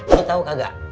lo tau kagak